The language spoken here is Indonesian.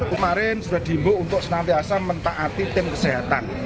kemarin sudah diimbuk untuk senantiasa mentaati tim kesehatan